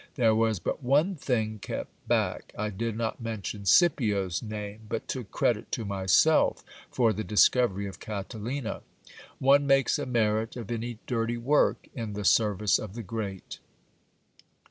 There was but one thing kept back. I did not mention Scipio's name, but took credit to myself for the discovery of Catalina. One makes a merit of any dirty work in the service of the great.